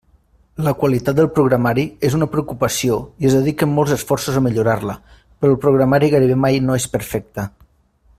La qualitat del programari és una preocupació i es dediquen molts esforços a millorar-la, però el programari gairebé mai no és perfecte.